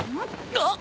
あっ。